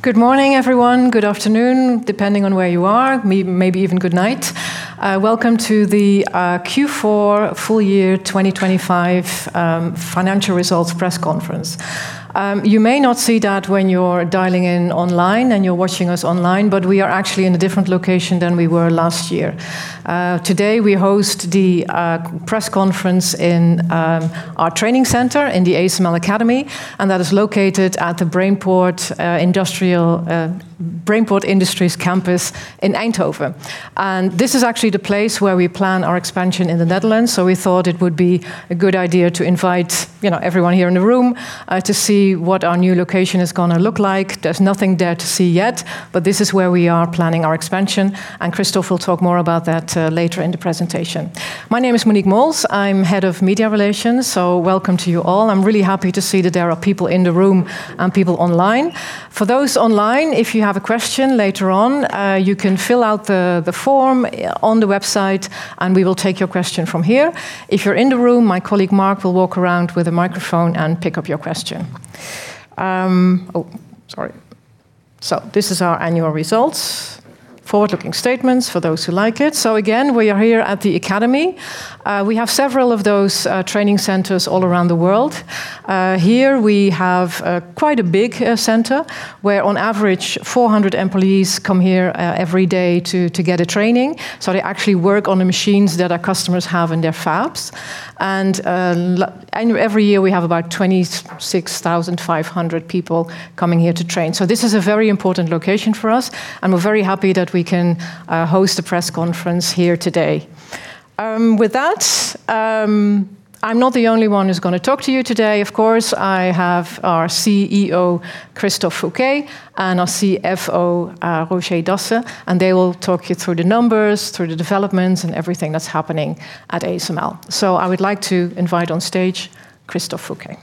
Good morning, everyone. Good afternoon, depending on where you are, maybe even good night. Welcome to the Q4 full year 2025 financial results press conference. You may not see that when you're dialing in online and you're watching us online, but we are actually in a different location than we were last year. Today, we host the press conference in our training center in the ASML Academy, and that is located at the Brainport Industries Campus in Eindhoven. This is actually the place where we plan our expansion in the Netherlands, so we thought it would be a good idea to invite, you know, everyone here in the room, to see what our new location is gonna look like. There's nothing there to see yet, but this is where we are planning our expansion, and Christophe will talk more about that later in the presentation. My name is Monique Mols. I'm Head of Media Relations, so welcome to you all. I'm really happy to see that there are people in the room and people online. For those online, if you have a question later on, you can fill out the form on the website, and we will take your question from here. If you're in the room, my colleague, Mark, will walk around with a microphone and pick up your question. So this is our annual results. Forward-looking statements for those who like it. So again, we are here at the academy. We have several of those training centers all around the world. Here we have quite a big center, where on average, 400 employees come here every day to get a training. So they actually work on the machines that our customers have in their fabs. And every year, we have about 26,500 people coming here to train. So this is a very important location for us, and we're very happy that we can host a press conference here today. With that, I'm not the only one who's gonna talk to you today. Of course, I have our CEO, Christophe Fouquet, and our CFO, Roger Dassen, and they will talk you through the numbers, through the developments, and everything that's happening at ASML. So I would like to invite on stage Christophe Fouquet.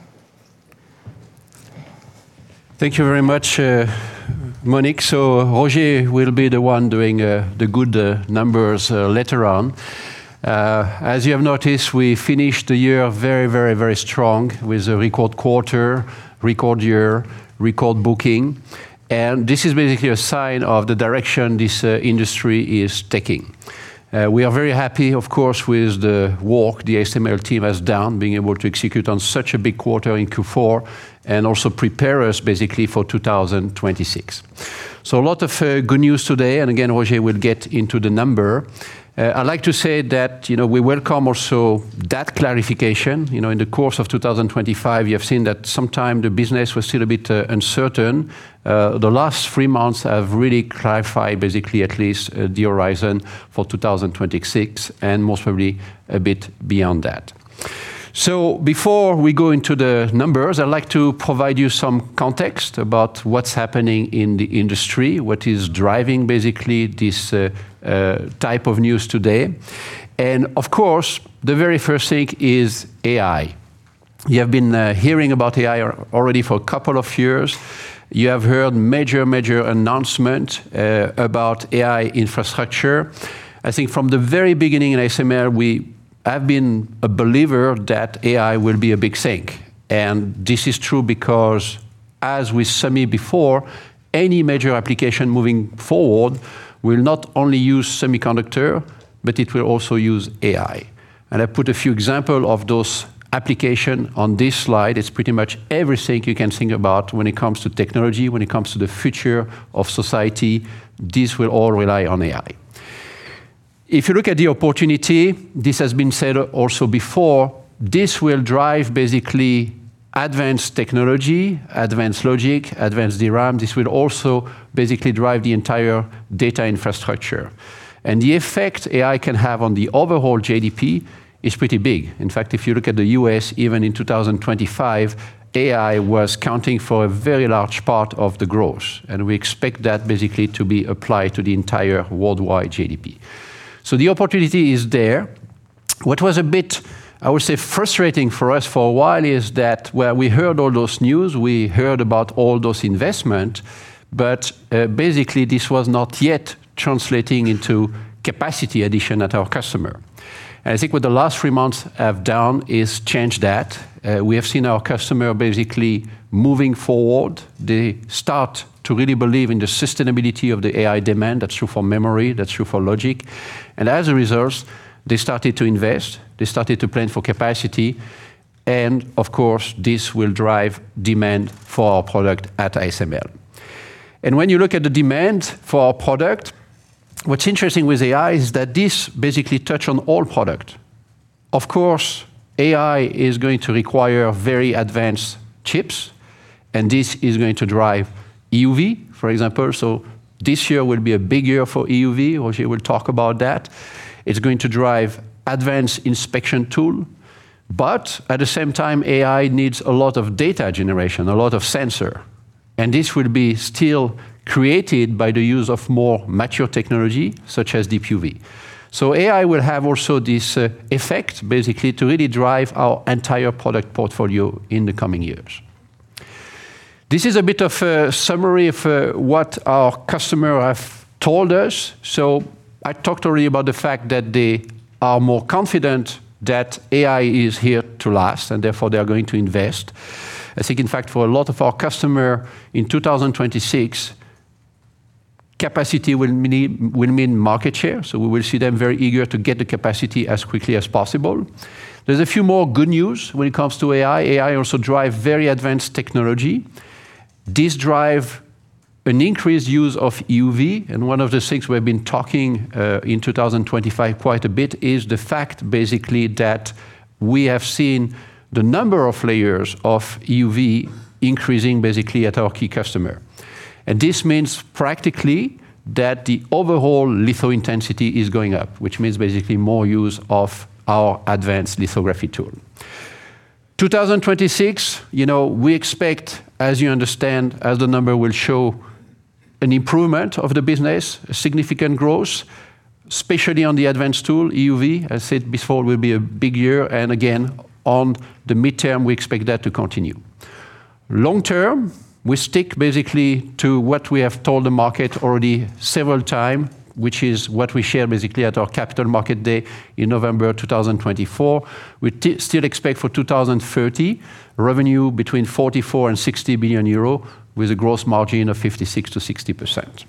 Thank you very much, Monique. So Roger will be the one doing the good numbers later on. As you have noticed, we finished the year very, very, very strong with a record quarter, record year, record booking, and this is basically a sign of the direction this industry is taking. We are very happy, of course, with the work the ASML team has done, being able to execute on such a big quarter in Q4, and also prepare us basically for 2026. So a lot of good news today, and again, Roger will get into the number. I'd like to say that, you know, we welcome also that clarification. You know, in the course of 2025, you have seen that sometimes the business was still a bit uncertain. The last three months have really clarified, basically, at least, the horizon for 2026, and most probably a bit beyond that. So before we go into the numbers, I'd like to provide you some context about what's happening in the industry, what is driving basically this type of news today. And of course, the very first thing is AI. You have been hearing about AI already for a couple of years. You have heard major, major announcement about AI infrastructure. I think from the very beginning in ASML, we have been a believer that AI will be a big thing, and this is true because, as we said it before, any major application moving forward will not only use semiconductor, but it will also use AI. And I put a few example of those application on this slide. It's pretty much everything you can think about when it comes to technology, when it comes to the future of society, this will all rely on AI. If you look at the opportunity, this has been said also before, this will drive basically advanced technology, advanced logic, advanced DRAM. This will also basically drive the entire data infrastructure. And the effect AI can have on the overall GDP is pretty big. In fact, if you look at the US, even in 2025, AI was accounting for a very large part of the growth, and we expect that basically to be applied to the entire worldwide GDP. So the opportunity is there. What was a bit, I would say, frustrating for us for a while is that where we heard all those news, we heard about all those investment, but, basically, this was not yet translating into capacity addition at our customer. And I think what the last three months have done is change that. We have seen our customer basically moving forward. They start to really believe in the sustainability of the AI demand. That's true for memory, that's true for logic, and as a result, they started to invest, they started to plan for capacity, and of course, this will drive demand for our product at ASML. And when you look at the demand for our product, what's interesting with AI is that this basically touch on all product. Of course, AI is going to require very advanced chips, and this is going to drive EUV, for example. So this year will be a big year for EUV, Roger will talk about that. It's going to drive advanced inspection tool, but at the same time, AI needs a lot of data generation, a lot of sensor, and this will be still created by the use of more mature technology, such as DUV. So AI will have also this, effect, basically to really drive our entire product portfolio in the coming years. This is a bit of a summary of, what our customer have told us. I talked already about the fact that they are more confident that AI is here to last, and therefore they are going to invest. I think, in fact, for a lot of our customer, in 2026, capacity will mean, will mean market share, so we will see them very eager to get the capacity as quickly as possible. There's a few more good news when it comes to AI. AI also drive very advanced technology. This drive an increased use of EUV, and one of the things we've been talking in 2025 quite a bit is the fact basically that we have seen the number of layers of EUV increasing basically at our key customer. And this means practically that the overall litho intensity is going up, which means basically more use of our advanced lithography tool. 2026, you know, we expect, as you understand, as the number will show, an improvement of the business, a significant growth, especially on the advanced tool, EUV. I said before, will be a big year, and again, on the midterm, we expect that to continue. Long-term, we stick basically to what we have told the market already several times, which is what we shared basically at our capital market day in November 2024. We still expect for 2030, revenue between 44 billion and 60 billion euro, with a gross margin of 56%-60%.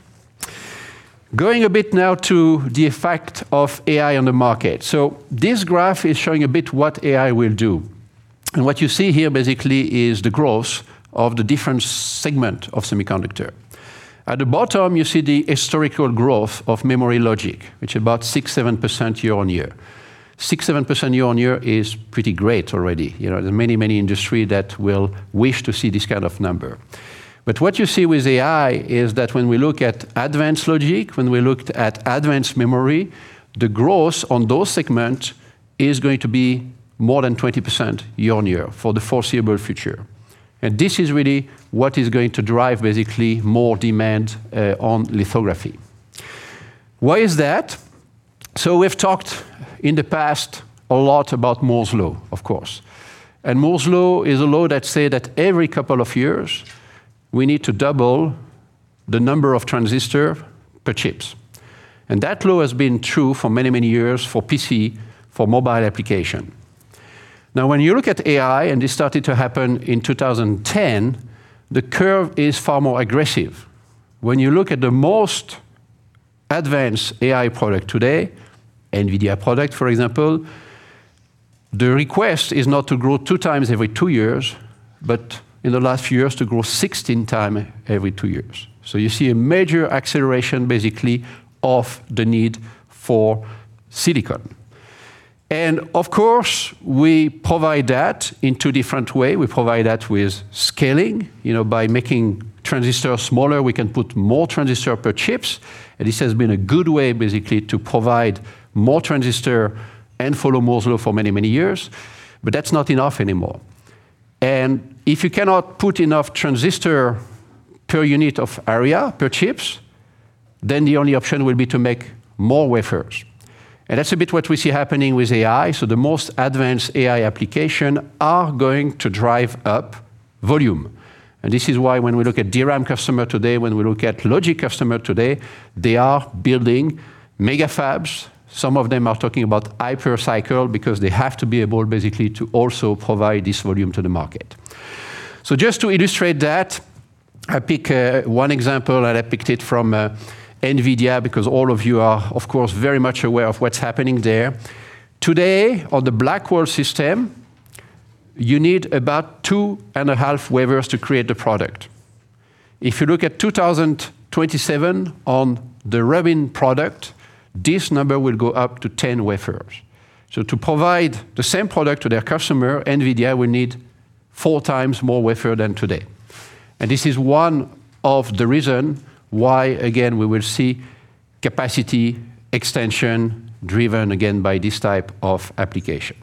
Going a bit now to the effect of AI on the market. So this graph is showing a bit what AI will do, and what you see here basically is the growth of the different segments of the semiconductor. At the bottom, you see the historical growth of memory logic, which is about 6-7% year-on-year. 6-7% year-on-year is pretty great already. You know, there are many, many industries that will wish to see this kind of number. But what you see with AI is that when we look at advanced logic, when we looked at advanced memory, the growth on those segment is going to be more than 20% year-on-year for the foreseeable future. And this is really what is going to drive basically more demand, on lithography. Why is that? So we've talked in the past a lot about Moore's Law, of course, and Moore's Law is a law that say that every couple of years, we need to double the number of transistor per chips. And that law has been true for many, many years for PC, for mobile application. Now, when you look at AI, and this started to happen in 2010, the curve is far more aggressive. When you look at the most advanced AI product today, NVIDIA product, for example, the request is not to grow 2 times every 2 years, but in the last few years, to grow 16 times every 2 years. So you see a major acceleration, basically, of the need for silicon. And of course, we provide that in two different ways. We provide that with scaling. You know, by making transistors smaller, we can put more transistors per chip, and this has been a good way, basically, to provide more transistors and follow Moore's Law for many, many years. But that's not enough anymore. And if you cannot put enough transistors per unit of area, per chip, then the only option will be to make more wafers. And that's a bit what we see happening with AI, so the most advanced AI applications are going to drive up volume. This is why when we look at DRAM customer today, when we look at logic customer today, they are building mega fabs. Some of them are talking about hypercycle because they have to be able basically to also provide this volume to the market. So just to illustrate that, I pick one example, and I picked it from NVIDIA, because all of you are, of course, very much aware of what's happening there. Today, on the Blackwell system, you need about 2.5 wafers to create the product. If you look at 2027 on the Rubin product, this number will go up to 10 wafers. So to provide the same product to their customer, NVIDIA will need four times more wafer than today. And this is one of the reason why, again, we will see capacity extension driven again by this type of application.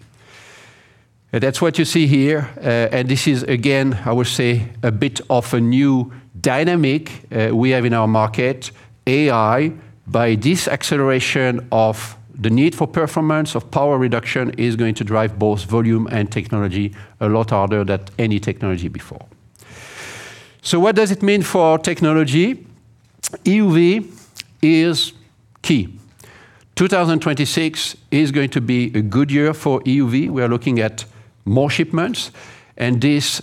That's what you see here, and this is, again, I would say, a bit of a new dynamic we have in our market. AI, by this acceleration of the need for performance of power reduction, is going to drive both volume and technology a lot harder than any technology before. So what does it mean for technology? EUV is key. 2026 is going to be a good year for EUV. We are looking at more shipments, and this,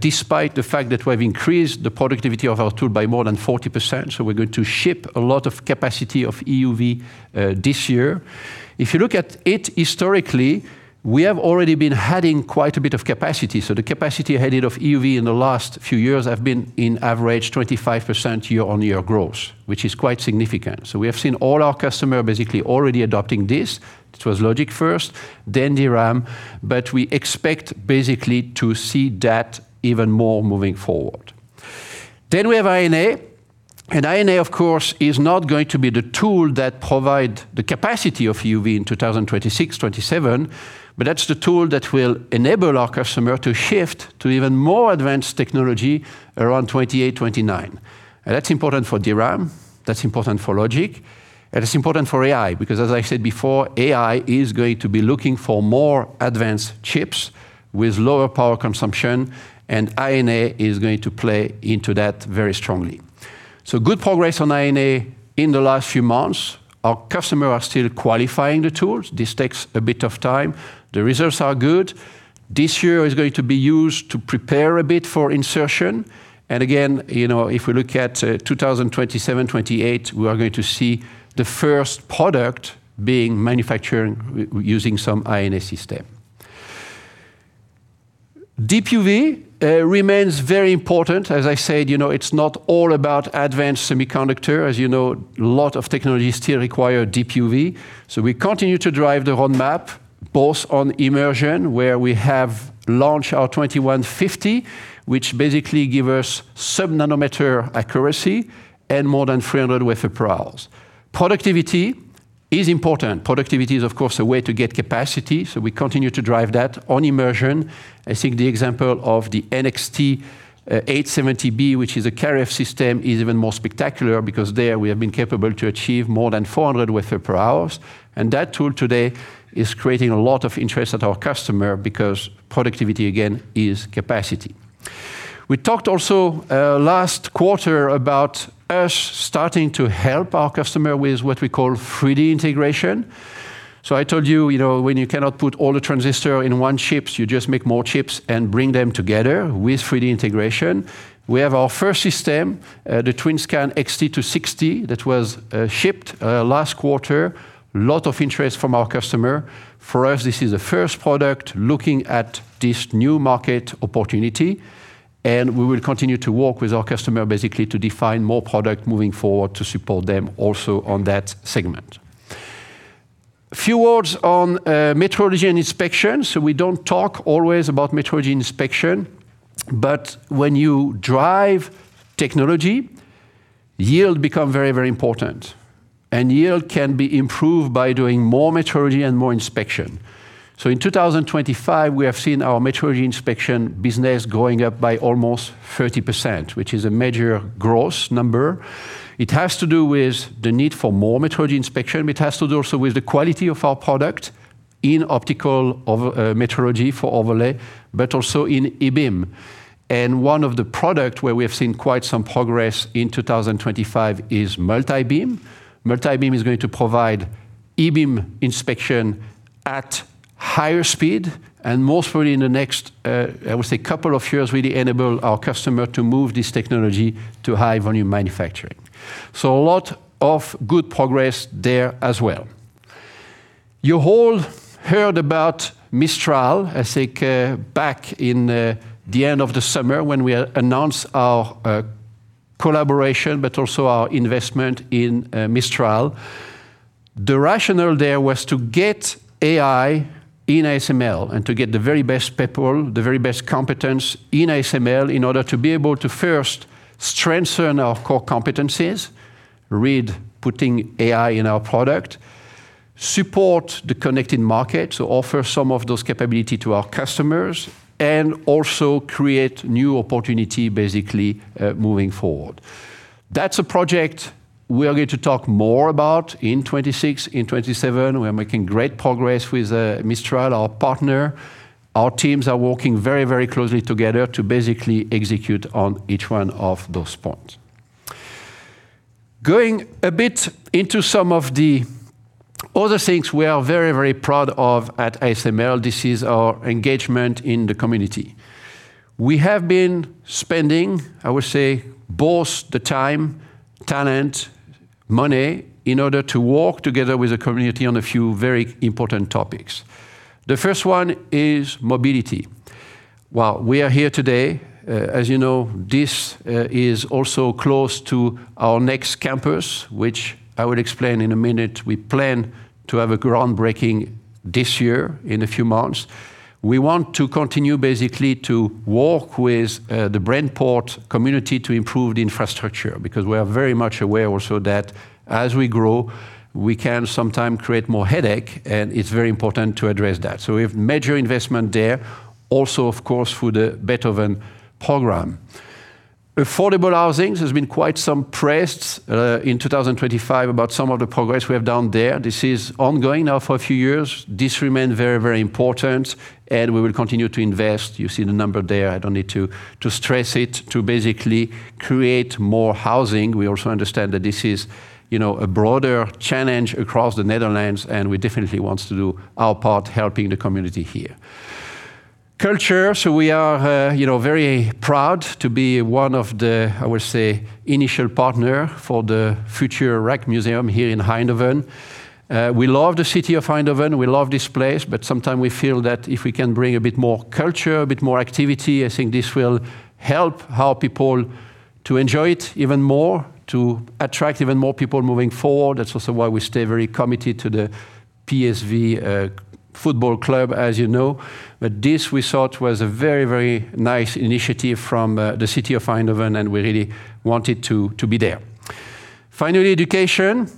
despite the fact that we've increased the productivity of our tool by more than 40%, so we're going to ship a lot of capacity of EUV this year. If you look at it historically, we have already been adding quite a bit of capacity, so the capacity added of EUV in the last few years have been on average, 25% year-over-year growth, which is quite significant. So we have seen all our customer basically already adopting this. It was Logic first, then DRAM, but we expect basically to see that even more moving forward. Then we have High-NA, and High-NA, of course, is not going to be the tool that provide the capacity of EUV in 2026, 2027, but that's the tool that will enable our customer to shift to even more advanced technology around 2028, 2029. That's important for DRAM, that's important for Logic, and it's important for AI, because as I said before, AI is going to be looking for more advanced chips with lower power consumption, and High-NA is going to play into that very strongly. So good progress on High-NA in the last few months. Our customer are still qualifying the tools. This takes a bit of time. The results are good. This year is going to be used to prepare a bit for insertion, and again, you know, if we look at 2027, 2028, we are going to see the first product being manufactured using some High-NA system. Deep UV remains very important. As I said, you know, it's not all about advanced semiconductor. As you know, a lot of technology still require Deep UV, so we continue to drive the roadmap, both on immersion, where we have launched our 2150, which basically give us sub-nanometer accuracy and more than 300 wafer per hours. Productivity is important. Productivity is, of course, a way to get capacity, so we continue to drive that on immersion. I think the example of the NXT:870B, which is a KrF system, is even more spectacular because there we have been capable to achieve more than 400 wafer per hours, and that tool today is creating a lot of interest at our customer because productivity, again, is capacity. We talked also, last quarter about us starting to help our customer with what we call 3D integration. So I told you, you know, when you cannot put all the transistor in one chips, you just make more chips and bring them together with 3D integration. We have our first system, the TWINSCAN XT:260, that was shipped last quarter. Lot of interest from our customer. For us, this is the first product looking at this new market opportunity, and we will continue to work with our customer basically to define more product moving forward to support them also on that segment. A few words on metrology and inspection. So we don't talk always about metrology inspection, but when you drive technology, yield become very, very important, and yield can be improved by doing more metrology and more inspection. So in 2025, we have seen our metrology inspection business going up by almost 30%, which is a major gross number. It has to do with the need for more metrology inspection. It has to do also with the quality of our product in optical over metrology for overlay, but also in E-beam. And one of the product where we have seen quite some progress in 2025 is multibeam. Multibeam is going to provide E-beam inspection at higher speed, and most probably in the next, I would say, couple of years, really enable our customer to move this technology to high-volume manufacturing. So a lot of good progress there as well. You all heard about Mistral, I think, back in the end of the summer when we announced our collaboration, but also our investment in Mistral. The rationale there was to get AI in ASML and to get the very best people, the very best competence in ASML, in order to be able to first strengthen our core competencies, read, putting AI in our product, support the connected market, so offer some of those capability to our customers, and also create new opportunity, basically, moving forward. That's a project we are going to talk more about in 2026, in 2027. We are making great progress with Mistral, our partner. Our teams are working very, very closely together to basically execute on each one of those points. Going a bit into some of the other things we are very, very proud of at ASML, this is our engagement in the community. We have been spending, I would say, both the time, talent, money, in order to work together with the community on a few very important topics. The first one is mobility. While we are here today, as you know, this is also close to our next campus, which I will explain in a minute. We plan to have a groundbreaking this year, in a few months. We want to continue basically to work with the Brainport community to improve the infrastructure, because we are very much aware also that as we grow, we can sometimes create more headache, and it's very important to address that. So we have major investment there, also, of course, through the Beethoven program. Affordable housing has been quite some progress in 2025 about some of the progress we have done there. This is ongoing now for a few years. This remain very, very important, and we will continue to invest. You see the number there. I don't need to stress it to basically create more housing. We also understand that this is, you know, a broader challenge across the Netherlands, and we definitely wants to do our part, helping the community here. Culture. So we are, you know, very proud to be one of the, I would say, initial partner for the future Rijksmuseum here in Eindhoven. We love the city of Eindhoven. We love this place, but sometime we feel that if we can bring a bit more culture, a bit more activity, I think this will help our people to enjoy it even more, to attract even more people moving forward. That's also why we stay very committed to the PSV, football club, as you know. But this we thought was a very, very nice initiative from, the city of Eindhoven, and we really wanted to, to be there. Finally, education.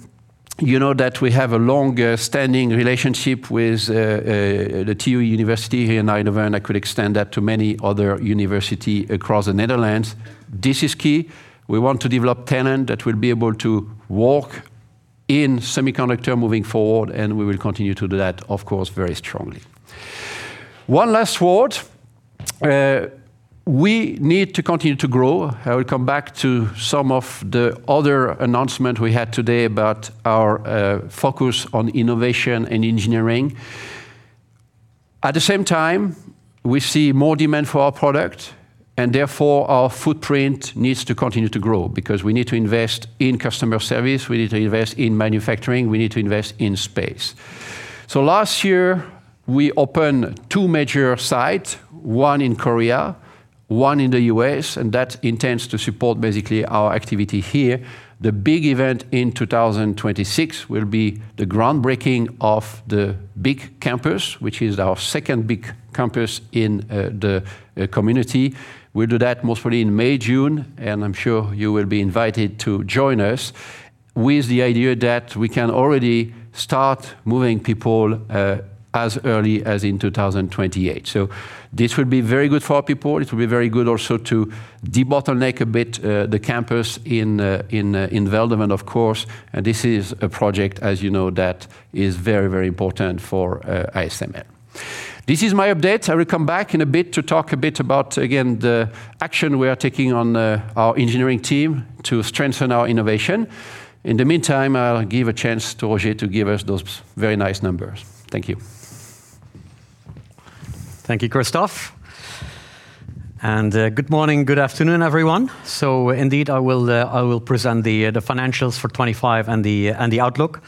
You know that we have a long-standing relationship with, the TU University here in Eindhoven. I could extend that to many other university across the Netherlands. This is key. We want to develop talent that will be able to work in semiconductor moving forward, and we will continue to do that, of course, very strongly.... One last word, we need to continue to grow. I will come back to some of the other announcement we had today about our, focus on innovation and engineering. At the same time, we see more demand for our product, and therefore our footprint needs to continue to grow because we need to invest in customer service, we need to invest in manufacturing, we need to invest in space. So last year, we opened 2 major sites, one in Korea, one in the U.S., and that intends to support basically our activity here. The big event in 2026 will be the groundbreaking of the big campus, which is our second big campus in the community. We'll do that mostly in May, June, and I'm sure you will be invited to join us, with the idea that we can already start moving people as early as in 2028. So this will be very good for our people. It will be very good also to debottleneck a bit, the campus in, in, in Veldhoven, of course, and this is a project, as you know, that is very, very important for ASML. This is my update. I will come back in a bit to talk a bit about, again, the action we are taking on our engineering team to strengthen our innovation. In the meantime, I'll give a chance to Roger to give us those very nice numbers. Thank you. Thank you, Christophe, and good morning, good afternoon, everyone. So indeed, I will present the financials for 25 and the outlook.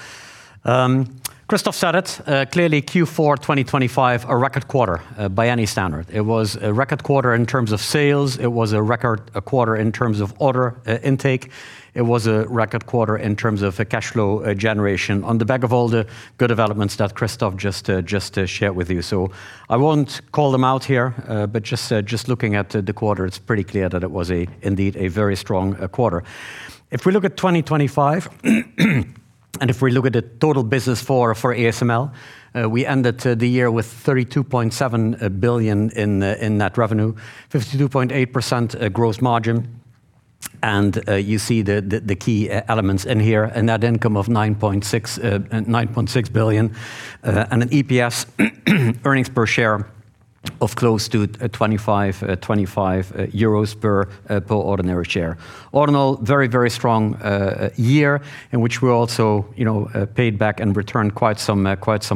Christophe said it clearly Q4 2025, a record quarter by any standard. It was a record quarter in terms of sales. It was a record quarter in terms of order intake. It was a record quarter in terms of the cash flow generation on the back of all the good developments that Christophe just shared with you. So I won't call them out here, but just looking at the quarter, it's pretty clear that it was indeed a very strong quarter. If we look at 2025, and if we look at the total business for ASML, we ended the year with 32.7 billion in net revenue, 52.8% gross margin, and you see the key elements in here, a net income of 9.6 billion, and an EPS, earnings per share of close to 25 euros per ordinary share. All in all, very, very strong year, in which we also, you know, paid back and returned quite some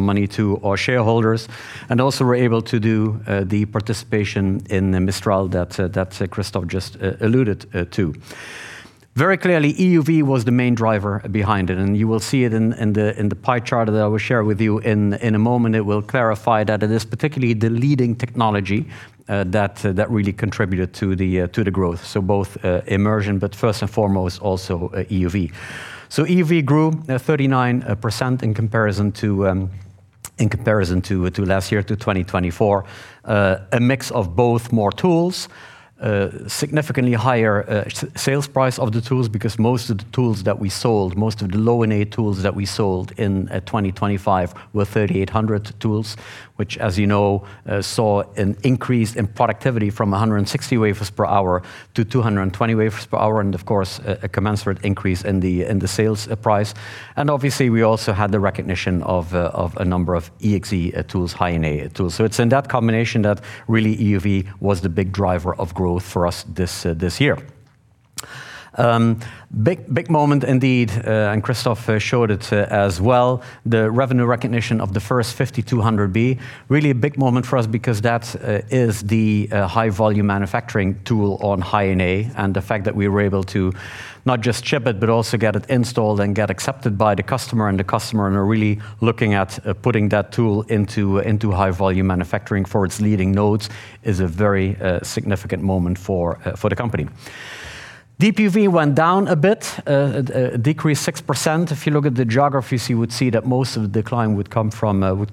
money to our shareholders, and also were able to do the participation in the Mistral that Christophe just alluded to. Very clearly, EUV was the main driver behind it, and you will see it in the pie chart that I will share with you in a moment. It will clarify that it is particularly the leading technology that really contributed to the growth, so both immersion, but first and foremost, also EUV. So EUV grew 39% in comparison to last year, to 2024. A mix of both more tools, significantly higher sales price of the tools, because most of the tools that we sold, most of the Low-NA tools that we sold in 2025 were 3800 tools, which, as you know, saw an increase in productivity from 160 wafers per hour to 220 wafers per hour, and of course, a commensurate increase in the sales price. And obviously, we also had the recognition of a number of EXE tools, high-NA tools. So it's in that combination that really EUV was the big driver of growth for us this year. Big moment indeed, and Christophe showed it as well, the revenue recognition of the first 5200B. Really a big moment for us because that is the high-volume manufacturing tool on High-NA, and the fact that we were able to not just ship it, but also get it installed and get accepted by the customer, and the customer are really looking at putting that tool into high-volume manufacturing for its leading nodes, is a very significant moment for the company. DUV went down a bit, decreased 6%. If you look at the geographies, you would see that most of the decline would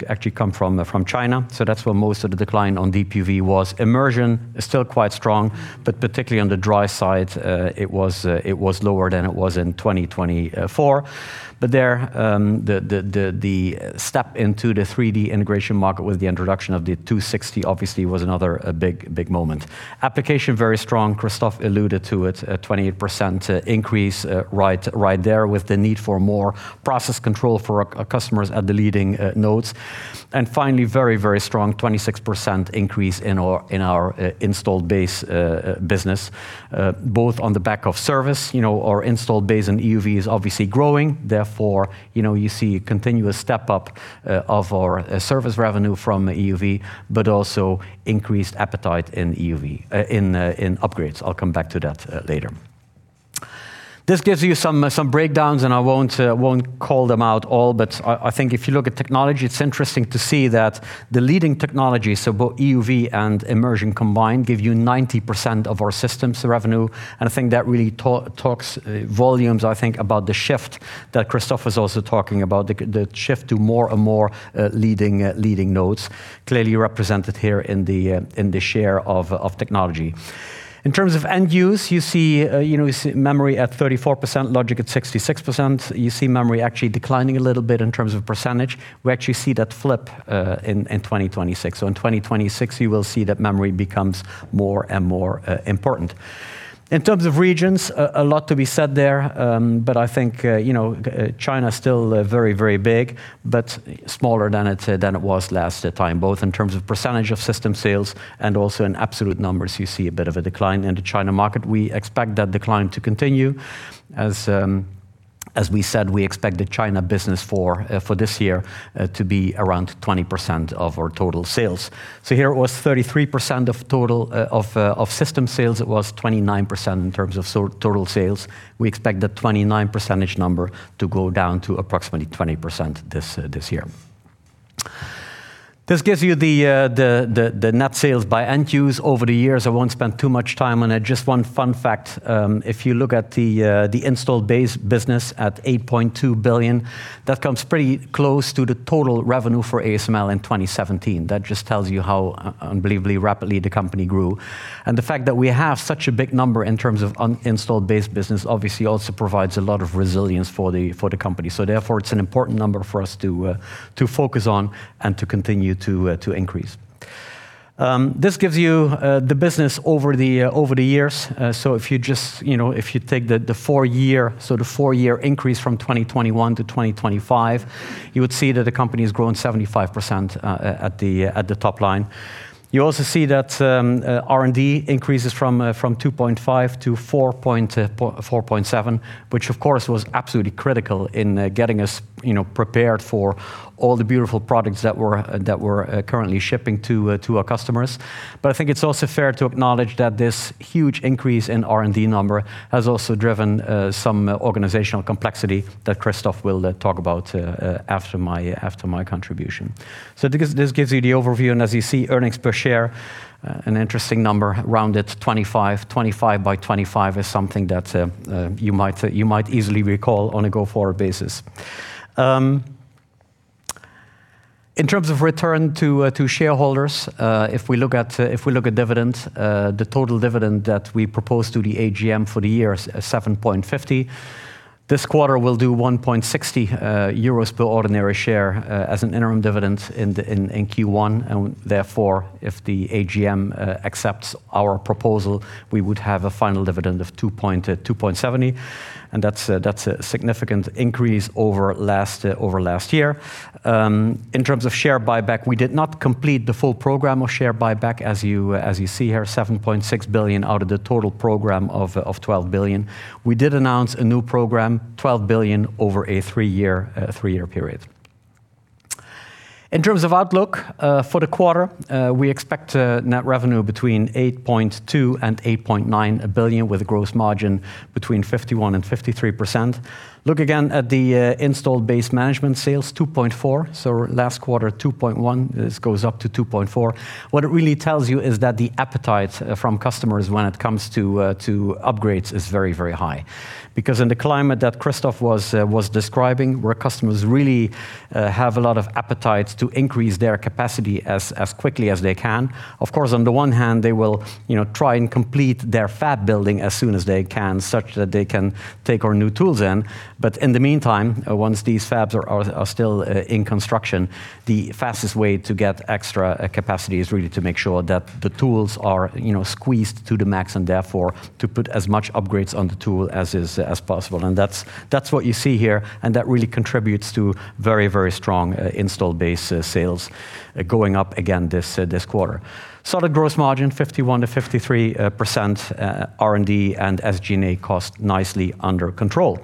actually come from China, so that's where most of the decline on DUV was. Immersion is still quite strong, but particularly on the dry side, it was lower than it was in 2024. But there, the step into the 3D integration market with the introduction of the 260 obviously was another big moment. Applications, very strong. Christophe alluded to it, a 28% increase right there, with the need for more process control for our customers at the leading nodes. And finally, very strong, 26% increase in our installed base business, both on the back of service, you know, our installed base in EUV is obviously growing. Therefore, you know, you see a continuous step up of our service revenue from EUV, but also increased appetite in EUV in upgrades. I'll come back to that later. This gives you some breakdowns, and I won't call them out all, but I think if you look at technology, it's interesting to see that the leading technology, so both EUV and immersion combined, give you 90% of our systems revenue, and I think that really talks volumes, I think, about the shift that Christophe was also talking about, the shift to more and more leading nodes, clearly represented here in the share of technology. In terms of end use, you see, you know, you see memory at 34%, logic at 66%. You see memory actually declining a little bit in terms of percentage. We actually see that flip in 2026. So in 2026, you will see that memory becomes more and more important. In terms of regions, a lot to be said there, but I think, you know, China is still very, very big, but smaller than it than it was last time, both in terms of percentage of system sales and also in absolute numbers, you see a bit of a decline in the China market. We expect that decline to continue. As we said, we expect the China business for this year to be around 20% of our total sales. So here it was 33% of total of system sales, it was 29% in terms of total sales. We expect that 29% number to go down to approximately 20% this year. This gives you the net sales by end use over the years. I won't spend too much time on it. Just one fun fact, if you look at the installed base business at 8.2 billion, that comes pretty close to the total revenue for ASML in 2017. That just tells you how unbelievably rapidly the company grew. The fact that we have such a big number in terms of installed base business, obviously also provides a lot of resilience for the company. So therefore, it's an important number for us to focus on and to continue to increase. This gives you the business over the years. So if you just, you know, if you take the four-year increase from 2021 to 2025, you would see that the company has grown 75% at the top line. You also see that R&D increases from 2.5 to 4.7, which of course was absolutely critical in getting us, you know, prepared for all the beautiful products that we're currently shipping to our customers. But I think it's also fair to acknowledge that this huge increase in R&D number has also driven some organizational complexity that Christophe will talk about after my contribution. So this gives you the overview, and as you see, earnings per share, an interesting number, rounded 25, 25 by 25 is something that you might easily recall on a go-forward basis. In terms of return to shareholders, if we look at dividends, the total dividend that we propose to the AGM for the year is 7.50 EUR. This quarter, we'll do 1.60 euros per ordinary share as an interim dividend in Q1, and therefore, if the AGM accepts our proposal, we would have a final dividend of 2.70 EUR, and that's a significant increase over last year. In terms of share buyback, we did not complete the full program of share buyback, as you see here, 7.6 billion out of the total program of 12 billion. We did announce a new program, 12 billion over a three-year period. In terms of outlook for the quarter, we expect net revenue between 8.2 billion and 8.9 billion, with a gross margin between 51% and 53%. Look again at the installed base management sales, 2.4 billion. So last quarter, 2.1 billion, this goes up to 2.4 billion. What it really tells you is that the appetite from customers when it comes to upgrades is very, very high. Because in the climate that Christophe was describing, where customers really have a lot of appetite to increase their capacity as quickly as they can, of course, on the one hand, they will, you know, try and complete their fab building as soon as they can, such that they can take our new tools in. But in the meantime, once these fabs are still in construction, the fastest way to get extra capacity is really to make sure that the tools are, you know, squeezed to the max, and therefore, to put as much upgrades on the tool as possible. And that's what you see here, and that really contributes to very, very strong installed base sales going up again this quarter. Solid gross margin, 51%-53%, R&D and SG&A cost nicely under control.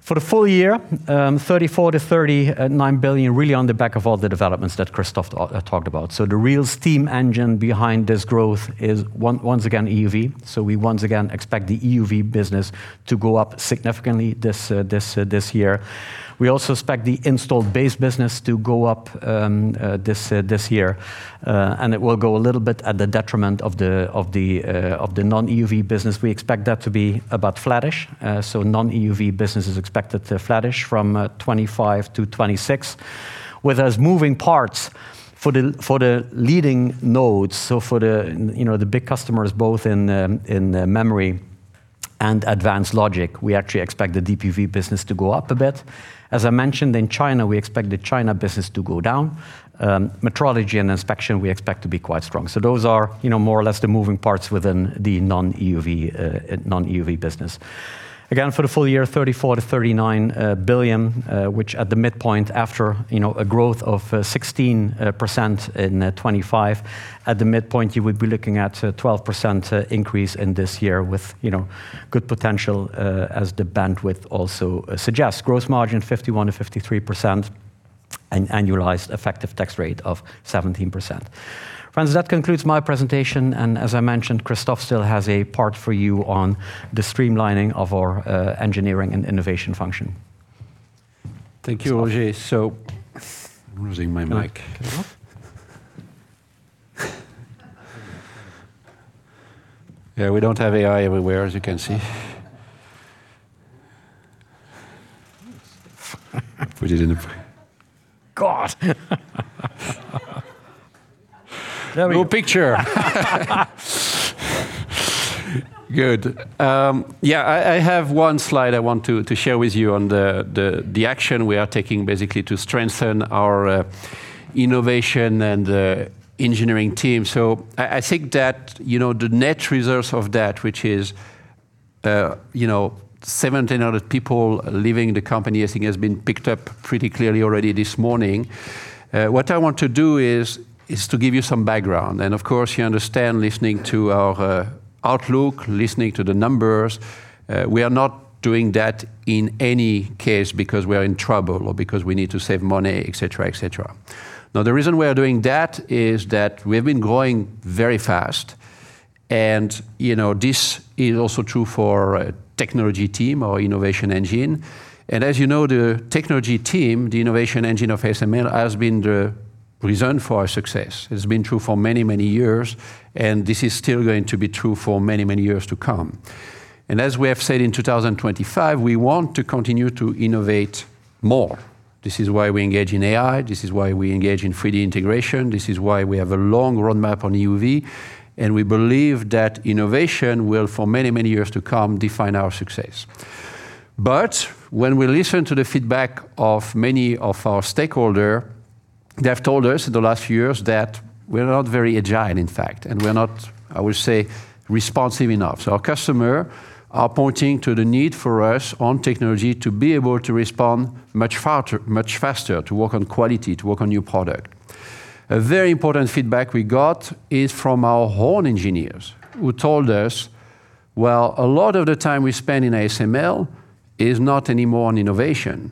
For the full year, 34 billion-39 billion, really on the back of all the developments that Christophe talked about. So the real steam engine behind this growth is once again EUV. So we once again expect the EUV business to go up significantly this year. We also expect the installed base business to go up this year, and it will go a little bit at the detriment of the non-EUV business. We expect that to be about flattish. So non-EUV business is expected to flattish from 25 billion-26 billion. With those moving parts for the leading nodes, so for the, you know, the big customers, both in memory and advanced logic, we actually expect the DUV business to go up a bit. As I mentioned, in China, we expect the China business to go down. Metrology and inspection, we expect to be quite strong. So those are, you know, more or less the moving parts within the non-EUV business. Again, for the full year, 34 billion-39 billion, which at the midpoint, after, you know, a growth of 16% in 2025, at the midpoint, you would be looking at a 12% increase in this year with, you know, good potential, as the bandwidth also suggests. Gross margin, 51%-53%, and annualized effective tax rate of 17%. Friends, that concludes my presentation, and as I mentioned, Christophe still has a part for you on the streamlining of our engineering and innovation function. Thank you, Roger. So... I'm losing my mic. Yeah, we don't have AI everywhere, as you can see. Put it in the- God! No picture. Good. Yeah, I have one slide I want to share with you on the action we are taking basically to strengthen our innovation and engineering team. So I think that, you know, the net results of that, which is, you know, 1,700 people leaving the company, I think, has been picked up pretty clearly already this morning. What I want to do is to give you some background, and of course, you understand, listening to our outlook, listening to the numbers, we are not doing that in any case because we are in trouble or because we need to save money, et cetera, et cetera. Now, the reason we are doing that is that we have been growing very fast, and, you know, this is also true for our technology team, our innovation engine. As you know, the technology team, the innovation engine of ASML, has been the reason for our success. It's been true for many, many years, and this is still going to be true for many, many years to come. And as we have said, in 2025, we want to continue to innovate more. This is why we engage in AI, this is why we engage in 3D integration, this is why we have a long roadmap on EUV, and we believe that innovation will, for many, many years to come, define our success. But when we listen to the feedback of many of our stakeholder, they have told us in the last years that we're not very agile, in fact, and we're not, I would say, responsive enough. So our customer are pointing to the need for us on technology to be able to respond much faster, to work on quality, to work on new product. A very important feedback we got is from our own engineers, who told us, "Well, a lot of the time we spend in ASML is not anymore on innovation,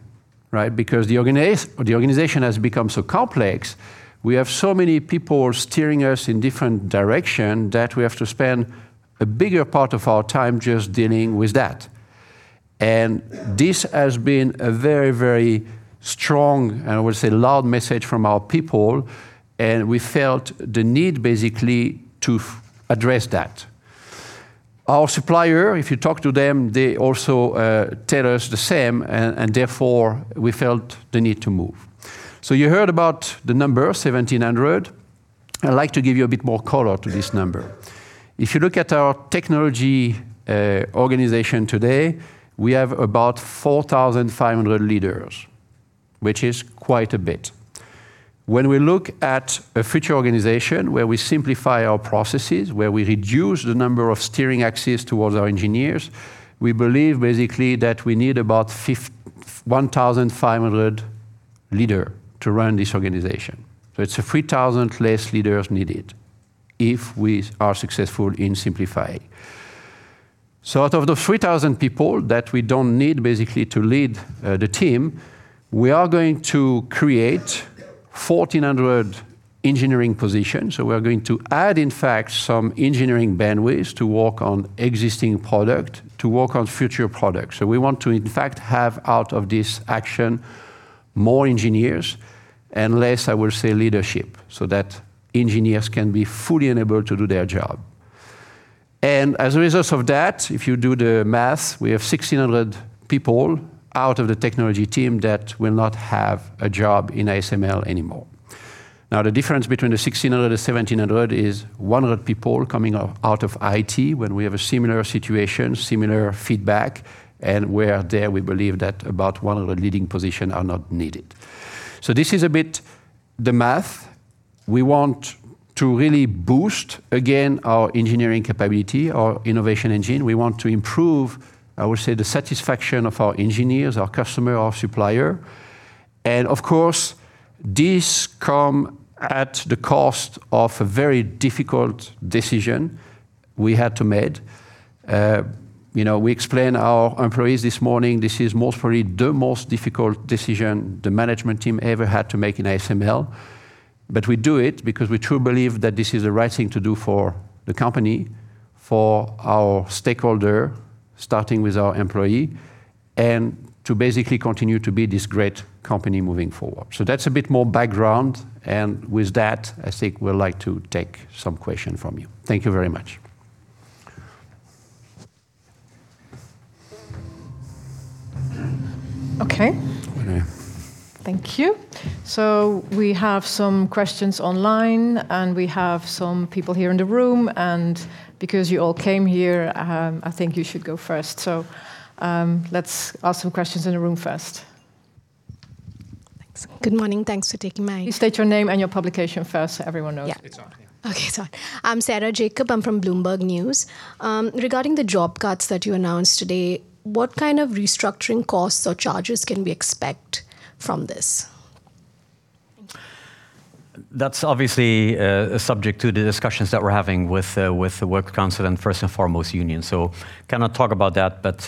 right? Because the organization has become so complex, we have so many people steering us in different direction that we have to spend a bigger part of our time just dealing with that." And this has been a very, very strong, and I would say, loud message from our people, and we felt the need, basically, to address that. Our supplier, if you talk to them, they also tell us the same, and therefore, we felt the need to move. So you heard about the number 1,700. I'd like to give you a bit more color to this number. If you look at our technology organization today, we have about 4,500 leaders, which is quite a bit. When we look at a future organization where we simplify our processes, where we reduce the number of steering axes towards our engineers, we believe, basically, that we need about one thousand five hundred leaders to run this organization. So it's 3,000 less leaders needed if we are successful in simplifying. So out of the 3,000 people that we don't need basically to lead the team, we are going to create 1,400 engineering positions. So we are going to add, in fact, some engineering bandwidth to work on existing product, to work on future products. So we want to, in fact, have out of this action, more engineers and less, I will say, leadership, so that engineers can be fully enabled to do their job. And as a result of that, if you do the math, we have 1,600 people out of the technology team that will not have a job in ASML anymore. Now, the difference between the 1,600 and 1,700 is 100 people coming out, out of IT, when we have a similar situation, similar feedback, and where there we believe that about 100 leading position are not needed. So this is a bit the math. We want to really boost again our engineering capability, our innovation engine. We want to improve, I would say, the satisfaction of our engineers, our customer, our supplier. Of course, this comes at the cost of a very difficult decision we had to make. You know, we explained our employees this morning, this is most probably the most difficult decision the management team ever had to make in ASML. But we do it because we truly believe that this is the right thing to do for the company, for our stakeholders, starting with our employees, and to basically continue to be this great company moving forward. So that's a bit more background, and with that, I think we'd like to take some questions from you. Thank you very much. Okay. Okay. Thank you. So we have some questions online, and we have some people here in the room, and because you all came here, I think you should go first. So, let's ask some questions in the room first. Thanks. Good morning, thanks for taking my- Please state your name and your publication first, so everyone knows. Yeah. It's on, yeah. Okay, it's on. I'm Sarah Jacob, I'm from Bloomberg News. Regarding the job cuts that you announced today, what kind of restructuring costs or charges can we expect from this? That's obviously a subject to the discussions that we're having with the Work Council and first and foremost, union, so cannot talk about that. But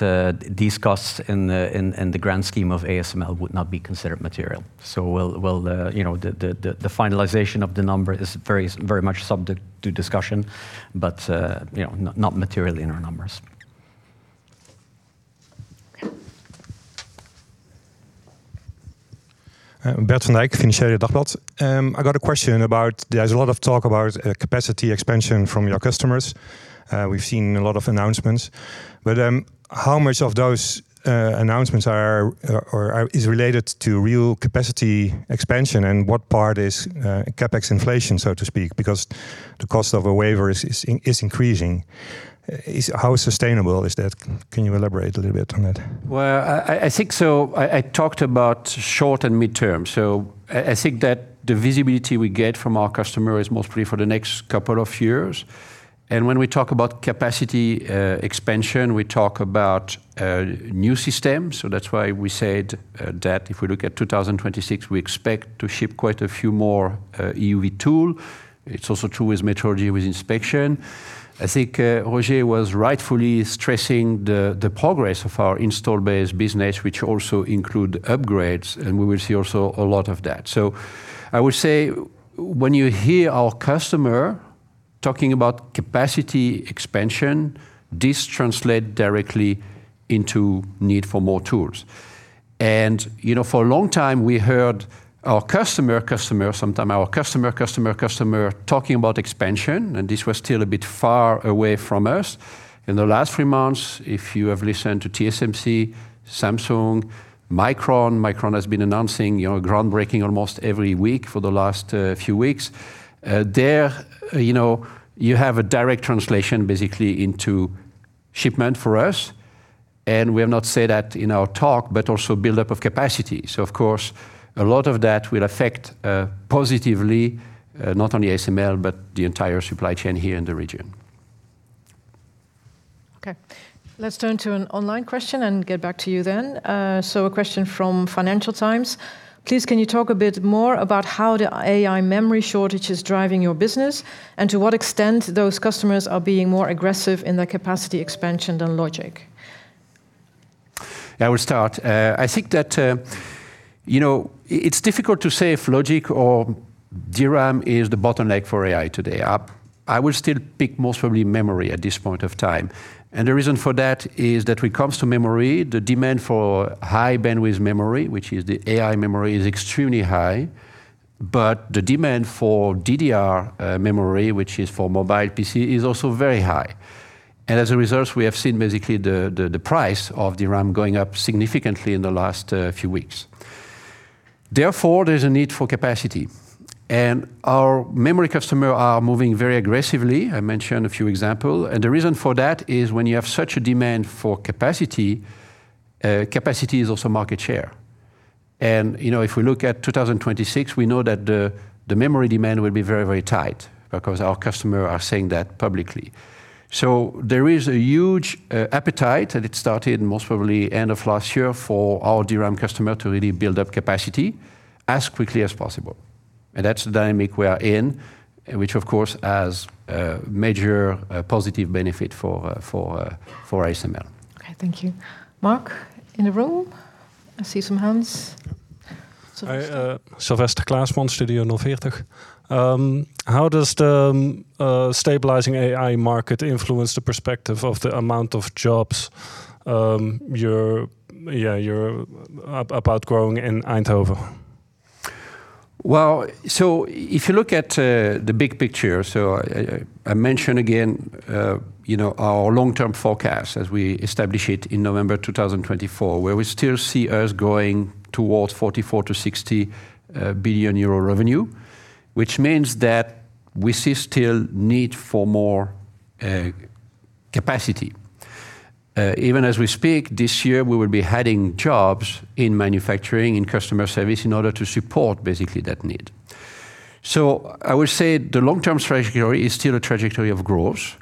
these costs in the grand scheme of ASML would not be considered material. So we'll, you know, the finalization of the number is very, very much subject to discussion, but, you know, not materially in our numbers. Bert van Dijk, Financieele Dagblad. I got a question about, there's a lot of talk about capacity expansion from your customers. We've seen a lot of announcements, but how much of those announcements are or is related to real capacity expansion, and what part is CapEx inflation, so to speak? Because the cost of a wafer is increasing. How sustainable is that? Can you elaborate a little bit on that? Well, I think so. I talked about short and mid-term, so I think that the visibility we get from our customer is mostly for the next couple of years. And when we talk about capacity expansion, we talk about new systems. So that's why we said that if we look at 2026, we expect to ship quite a few more EUV tool. It's also true with metrology, with inspection. I think Roger was rightfully stressing the progress of our installed base business, which also include upgrades, and we will see also a lot of that. So I would say, when you hear our customer talking about capacity expansion, this translate directly into need for more tools. You know, for a long time we heard our customers, sometimes our customers talking about expansion, and this was still a bit far away from us. In the last three months, if you have listened to TSMC, Samsung, Micron... Micron has been announcing, you know, groundbreaking almost every week for the last few weeks. There, you know, you have a direct translation basically into shipment for us, and we have not said that in our talk, but also build-up of capacity. So of course, a lot of that will affect positively not only ASML, but the entire supply chain here in the region. Okay, let's turn to an online question and get back to you then. So, a question from Financial Times: "Please, can you talk a bit more about how the AI memory shortage is driving your business, and to what extent those customers are being more aggressive in their capacity expansion than logic? I will start. I think that, you know, it's difficult to say if logic or DRAM is the bottleneck for AI today. I would still pick most probably memory at this point of time, and the reason for that is that when it comes to memory, the demand for high-bandwidth memory, which is the AI memory, is extremely high. But the demand for DDR, memory, which is for mobile PC, is also very high, and as a result, we have seen basically the price of DRAM going up significantly in the last, few weeks. Therefore, there's a need for capacity, and our memory customer are moving very aggressively. I mentioned a few example, and the reason for that is, when you have such a demand for capacity, capacity is also market share. You know, if we look at 2026, we know that the memory demand will be very, very tight because our customer are saying that publicly. So there is a huge appetite, and it started most probably end of last year, for our DRAM customer to really build up capacity as quickly as possible, and that's the dynamic we are in, which of course has a major positive benefit for ASML. Okay, thank you. Marc, in the room. I see some hands. Hi, Sylvester Klaasman, Studio040. How does the stabilizing AI market influence the perspective of the amount of jobs you're about growing in Eindhoven? Well, so if you look at the big picture, so I mention again, you know, our long-term forecast as we establish it in November 2024, where we still see us growing towards 44 billion-60 billion euro revenue, which means that we see still need for more capacity. Even as we speak, this year we will be adding jobs in manufacturing, in customer service, in order to support basically that need. So I would say the long-term trajectory is still a trajectory of growth.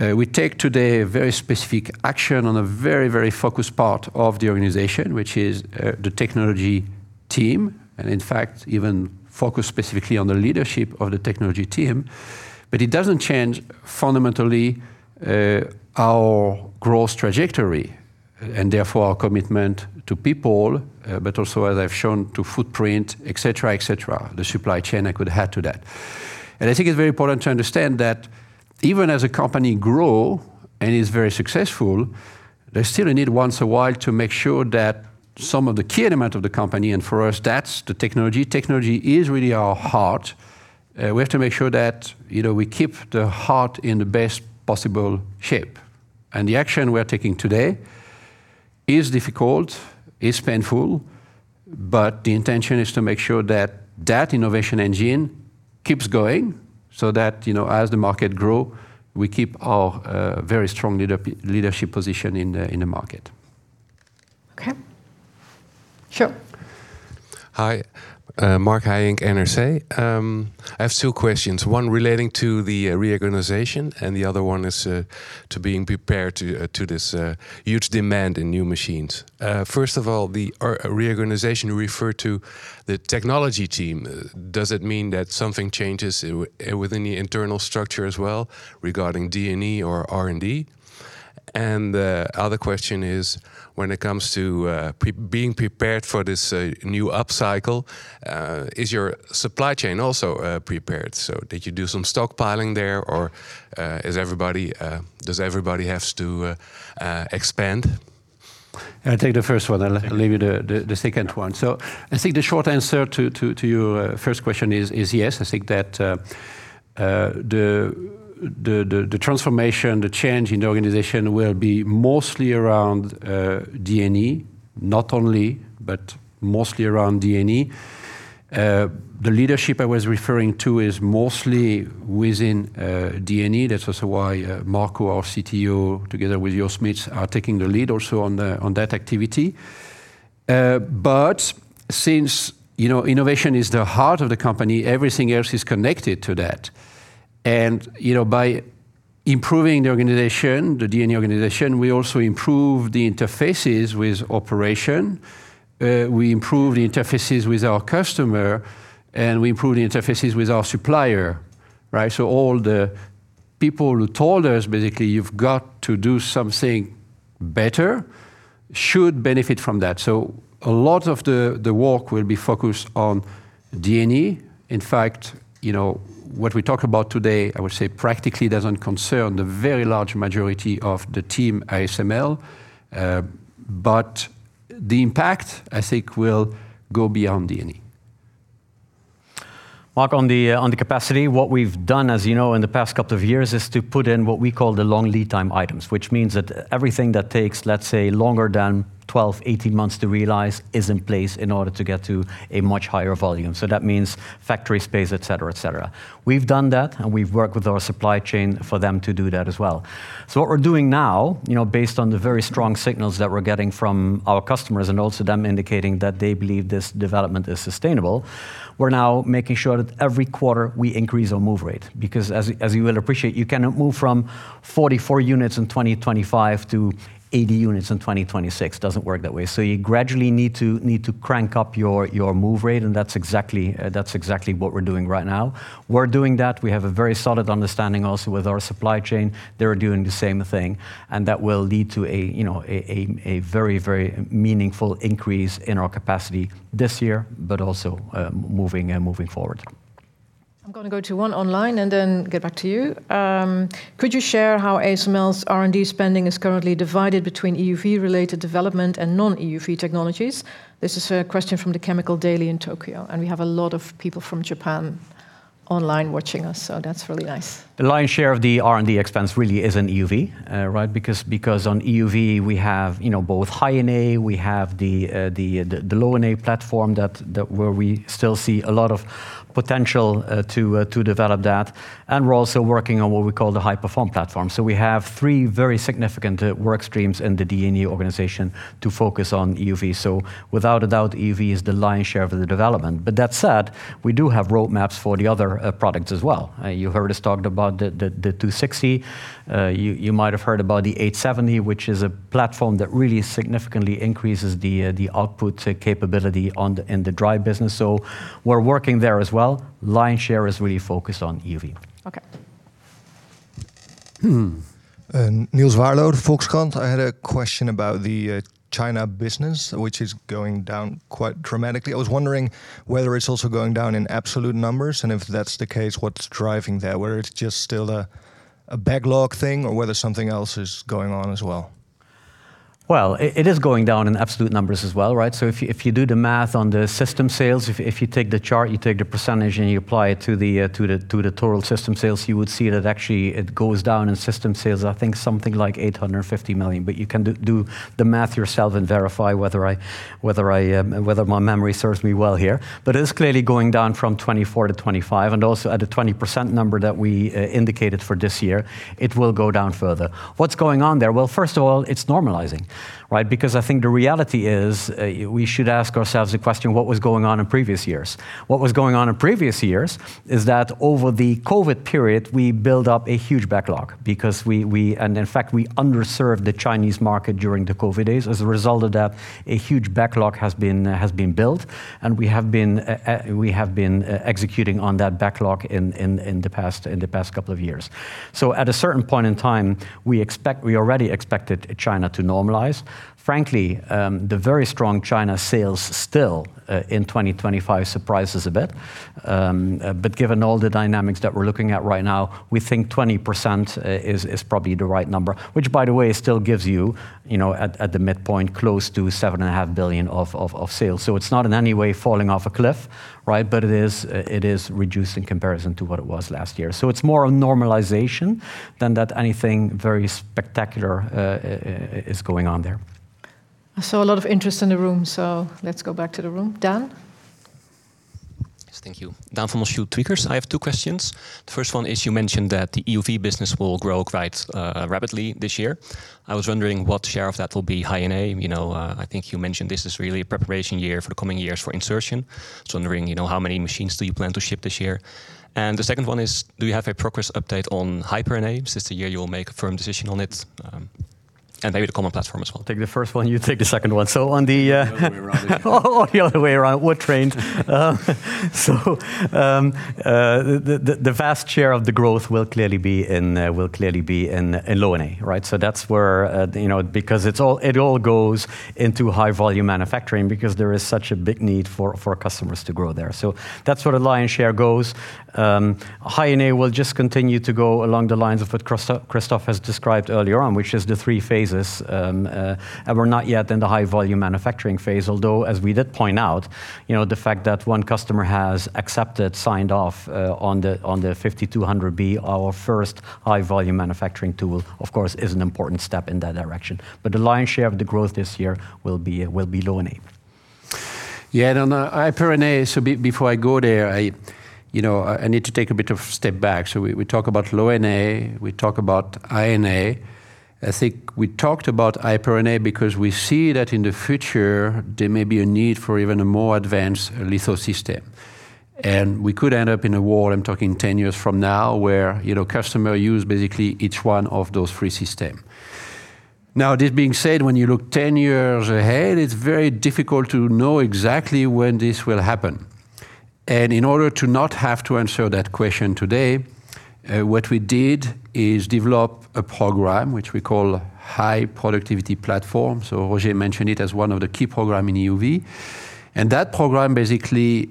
We take today a very specific action on a very, very focused part of the organization, which is the technology team, and in fact, even focused specifically on the leadership of the technology team. But it doesn't change fundamentally, and therefore our commitment to people, but also, as I've shown, to footprint, et cetera, et cetera. The supply chain, I could add to that. I think it's very important to understand that even as a company grow and is very successful, there's still a need once in a while to make sure that some of the key element of the company, and for us, that's the technology, technology is really our heart. We have to make sure that, you know, we keep the heart in the best possible shape. The action we are taking today is difficult, is painful, but the intention is to make sure that that innovation engine keeps going, so that, you know, as the market grow, we keep our very strong leadership position in the market. Okay. Sure. Hi, Marc Hijink, NRC. I have two questions, one relating to the reorganization, and the other one is to being prepared to this huge demand in new machines. First of all, the reorganization referred to the technology team. Does it mean that something changes within the internal structure as well regarding D&E or R&D? And the other question is, when it comes to being prepared for this new upcycle-... is your supply chain also prepared? So did you do some stockpiling there or, does everybody have to expand? I'll take the first one, I'll leave you the second one. So I think the short answer to your first question is yes. I think that the transformation, the change in the organization will be mostly around D&E, not only, but mostly around D&E. The leadership I was referring to is mostly within D&E. That's also why Marco, our CTO, together with Joost Smits, are taking the lead also on that activity. But since, you know, innovation is the heart of the company, everything else is connected to that. And, you know, by improving the organization, the D&E organization, we also improve the interfaces with operation, we improve the interfaces with our customer, and we improve the interfaces with our supplier, right? So all the people who told us, basically, "You've got to do something better," should benefit from that. So a lot of the work will be focused on D&E. In fact, you know, what we talk about today, I would say practically doesn't concern the very large majority of the team ASML, but the impact, I think, will go beyond D&E. Mark, on the capacity, what we've done, as you know, in the past couple of years, is to put in what we call the long lead time items, which means that everything that takes, let's say, longer than 12, 18 months to realize is in place in order to get to a much higher volume. So that means factory space, et cetera, et cetera. We've done that, and we've worked with our supply chain for them to do that as well. So what we're doing now, you know, based on the very strong signals that we're getting from our customers, and also them indicating that they believe this development is sustainable, we're now making sure that every quarter we increase our move rate. Because, as you will appreciate, you cannot move from 44 units in 2025 to 80 units in 2026; doesn't work that way. So you gradually need to crank up your move rate, and that's exactly what we're doing right now. We're doing that. We have a very solid understanding also with our supply chain. They're doing the same thing, and that will lead to a, you know, a very, very meaningful increase in our capacity this year, but also moving forward. I'm gonna go to one online and then get back to you. Could you share how ASML's R&D spending is currently divided between EUV-related development and non-EUV technologies? This is a question from the Chemical Daily in Tokyo, and we have a lot of people from Japan online watching us, so that's really nice. The lion's share of the R&D expense really is in EUV, right? Because on EUV we have, you know, both High-NA, we have the Low-NA platform that where we still see a lot of potential to develop that, and we're also working on what we call the high-perform platform. So we have three very significant work streams in the D&E organization to focus on EUV. So without a doubt, EUV is the lion's share of the development. But that said, we do have roadmaps for the other products as well. You heard us talked about the two sixty. You might have heard about the eight seventy, which is a platform that really significantly increases the output capability on the in the dry business, so we're working there as well. Lion's share is really focused on EUV. Okay. Hmm. Nils Waarlo, Volkskrant. I had a question about the China business, which is going down quite dramatically. I was wondering whether it's also going down in absolute numbers, and if that's the case, what's driving that? Whether it's just still a backlog thing or whether something else is going on as well. Well, it is going down in absolute numbers as well, right? So if you do the math on the system sales, if you take the chart, you take the percentage, and you apply it to the total system sales, you would see that actually it goes down in system sales, I think something like 850 million. But you can do the math yourself and verify whether my memory serves me well here. But it is clearly going down from 2024 to 2025, and also at the 20% number that we indicated for this year, it will go down further. What's going on there? Well, first of all, it's normalizing, right? Because I think the reality is, we should ask ourselves the question, what was going on in previous years? What was going on in previous years is that over the COVID period, we built up a huge backlog because we. And in fact, we underserved the Chinese market during the COVID days. As a result of that, a huge backlog has been built, and we have been executing on that backlog in the past couple of years. So at a certain point in time, we already expected China to normalize. Frankly, the very strong China sales still in 2025 surprised us a bit. Given all the dynamics that we're looking at right now, we think 20% is probably the right number, which, by the way, still gives you, you know, at the midpoint, close to 7.5 billion of sales. So it's not in any way falling off a cliff, right? But it is reduced in comparison to what it was last year. So it's more a normalization than that anything very spectacular is going on there. I saw a lot of interest in the room, so let's go back to the room. Dan? Yes, thank you. Daan van Monsjou from Tweakers. I have two questions. The first one is, you mentioned that the EUV business will grow quite rapidly this year. I was wondering what share of that will be High-NA. You know, I think you mentioned this is really a preparation year for the coming years for insertion. So I'm wondering, you know, how many machines do you plan to ship this year? And the second one is, do you have a progress update on High-NA, since the year you will make a firm decision on it,... and maybe the common platform as well. I'll take the first one, you take the second one. So on the, Oh, the other way around. We're trained. So the vast share of the growth will clearly be in, will clearly be in, in Low-NA, right? So that's where, you know, because it's all-- it all goes into high-volume manufacturing because there is such a big need for our customers to grow there. So that's where the lion's share goes. High-NA will just continue to go along the lines of what Christophe has described earlier on, which is the three phases. And we're not yet in the high-volume manufacturing phase, although, as we did point out, you know, the fact that one customer has accepted, signed off, on the 5200B, our first high-volume manufacturing tool, of course, is an important step in that direction. But the lion's share of the growth this year will be Low-NA. Yeah, and on the High-NA, so before I go there, I, you know, I need to take a bit of step back. So we talk about Low-NA, we talk about High-NA. I think we talked about High-NA because we see that in the future there may be a need for even a more advanced litho system, and we could end up in a world, I'm talking 10 years from now, where, you know, customer use basically each one of those three system. Now, this being said, when you look 10 years ahead, it's very difficult to know exactly when this will happen, and in order to not have to answer that question today, what we did is develop a program which we call High Productivity Platform. So Roger mentioned it as one of the key program in EUV, and that program basically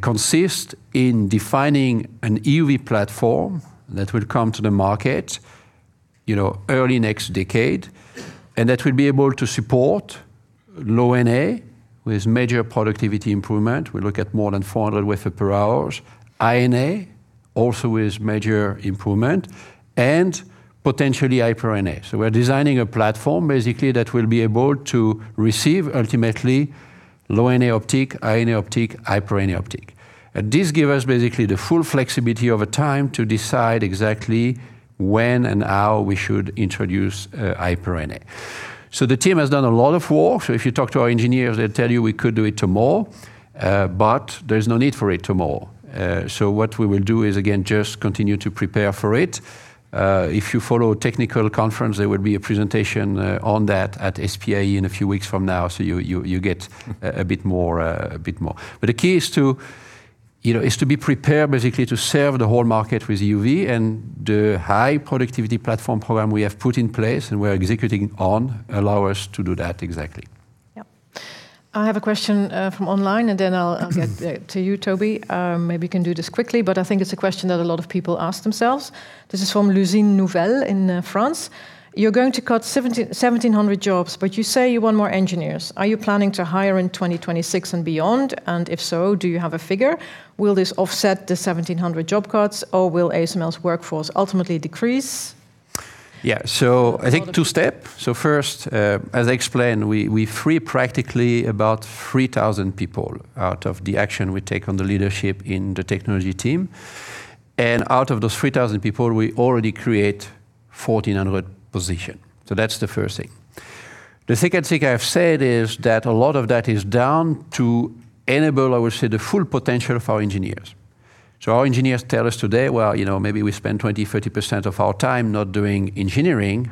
consists in defining an EUV platform that will come to the market, you know, early next decade, and that will be able to support Low-NA with major productivity improvement. We look at more than 400 wafers per hour. High-NA, also with major improvement, and potentially High-NA. So we're designing a platform basically that will be able to receive ultimately Low-NA optics, High-NA optics, High-NA optics. And this give us basically the full flexibility over time to decide exactly when and how we should introduce, High-NA. So the team has done a lot of work, so if you talk to our engineers, they'll tell you we could do it tomorrow, but there's no need for it tomorrow. So what we will do is, again, just continue to prepare for it. If you follow technical conference, there will be a presentation on that at SPA in a few weeks from now, so you get a bit more, a bit more. But the key is, you know, to be prepared, basically to serve the whole market with EUV and the high productivity platform program we have put in place and we're executing on, allow us to do that exactly. Yep. I have a question from online, and then I'll get- Mm-hmm to you, Toby. Maybe you can do this quickly, but I think it's a question that a lot of people ask themselves. This is from Lucine Nouvel in, France: "You're going to cut 1,700-1,700 jobs, but you say you want more engineers. Are you planning to hire in 2026 and beyond? And if so, do you have a figure? Will this offset the 1,700 job cuts, or will ASML's workforce ultimately decrease? Yeah, so-... I think two steps. So first, as I explained, we, we free practically about 3,000 people out of the action we take on the leadership in the technology team. And out of those 3,000 people, we already create 1,400 positions. So that's the first thing. The second thing I've said is that a lot of that is done to enable, I would say, the full potential of our engineers. So our engineers tell us today, "Well, you know, maybe we spend 20%-30% of our time not doing engineering,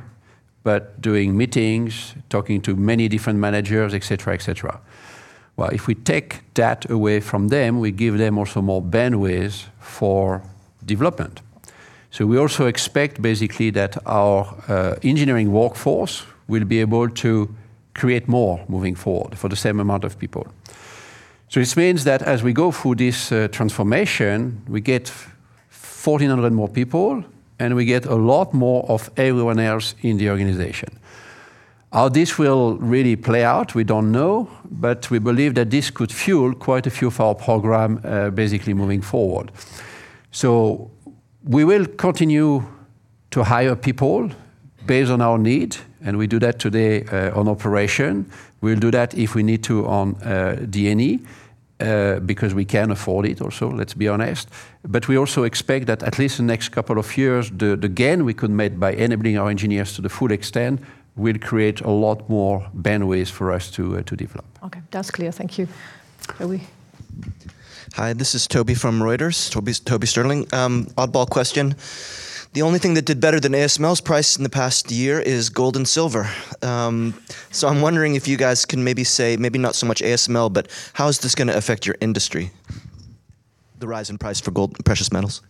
but doing meetings, talking to many different managers," et cetera, et cetera. Well, if we take that away from them, we give them also more bandwidth for development. So we also expect basically that our engineering workforce will be able to create more moving forward for the same amount of people. So this means that as we go through this transformation, we get 1,400 more people, and we get a lot more of everyone else in the organization. How this will really play out, we don't know, but we believe that this could fuel quite a few of our program, basically moving forward. So we will continue to hire people based on our need, and we do that today, on operation. We'll do that if we need to on D&E, because we can afford it also, let's be honest. But we also expect that at least the next couple of years, the gain we could make by enabling our engineers to the full extent, will create a lot more bandwidth for us to develop. Okay, that's clear. Thank you. Toby? Hi, this is Toby from Reuters. Toby's, Toby Sterling. Oddball question: The only thing that did better than ASML's price in the past year is gold and silver. I'm wondering if you guys can maybe say, maybe not so much ASML, but how is this gonna affect your industry, the rise in price for gold and precious metals?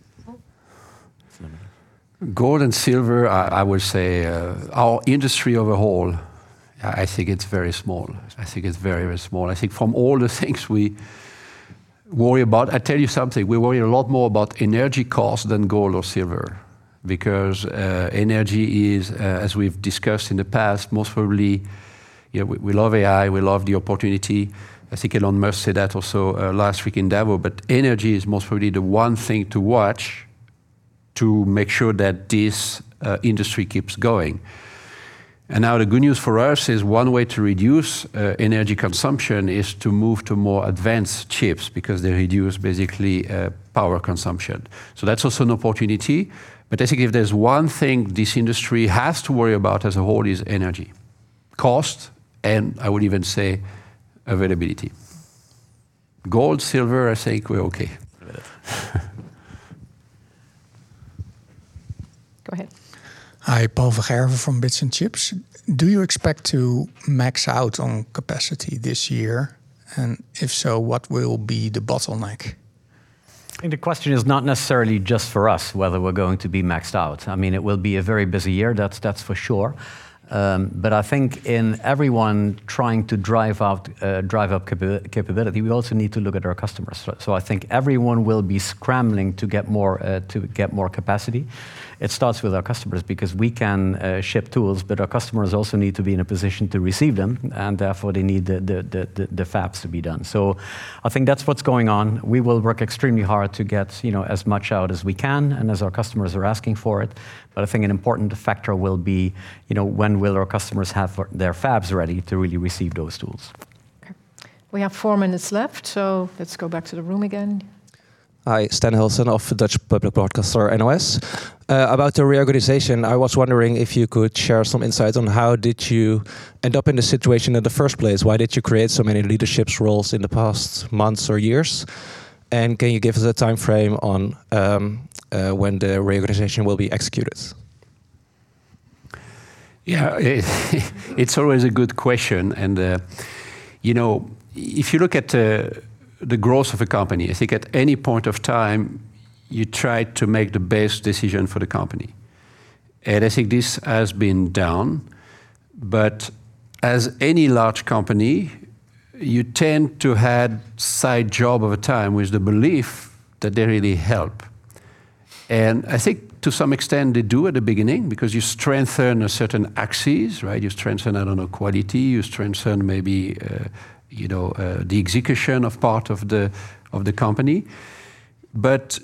Gold and silver, I would say, our industry overall, I think it's very small. I think it's very, very small. I think from all the things we worry about... I tell you something, we worry a lot more about energy costs than gold or silver, because energy is, as we've discussed in the past, most probably, you know, we love AI, we love the opportunity. I think Elon Musk said that also, last week in Davos, but energy is most probably the one thing to watch to make sure that this industry keeps going. And now, the good news for us is, one way to reduce energy consumption is to move to more advanced chips, because they reduce basically power consumption. So that's also an opportunity. But I think if there's one thing this industry has to worry about as a whole, is energy cost, and I would even say availability. Gold, silver, I say we're okay.... Go ahead. Hi, Paul van Gerven from Bits&Chips. Do you expect to max out on capacity this year? And if so, what will be the bottleneck? I think the question is not necessarily just for us, whether we're going to be maxed out. I mean, it will be a very busy year, that's for sure. But I think in everyone trying to drive out, drive up capability, we also need to look at our customers. So I think everyone will be scrambling to get more, to get more capacity. It starts with our customers, because we can ship tools, but our customers also need to be in a position to receive them, and therefore, they need the fabs to be done. So I think that's what's going on. We will work extremely hard to get, you know, as much out as we can, and as our customers are asking for it. I think an important factor will be, you know, when will our customers have their fabs ready to really receive those tools? Okay. We have four minutes left, so let's go back to the room again. Hi, Stan Hulson of Dutch Public Broadcaster, NOS. About the reorganization, I was wondering if you could share some insights on how did you end up in this situation in the first place? Why did you create so many leadership roles in the past months or years? And can you give us a timeframe on when the reorganization will be executed? Yeah, it's always a good question, and, you know, if you look at, the growth of a company, I think at any point of time, you try to make the best decision for the company. And I think this has been done, but as any large company, you tend to add side job over time with the belief that they really help. And I think to some extent they do at the beginning, because you strengthen a certain axis, right? You strengthen, I don't know, quality, you strengthen maybe, you know, the execution of part of the, of the company. But